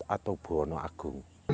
atau buho no'aku